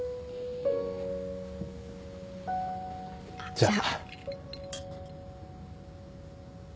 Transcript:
じゃあ。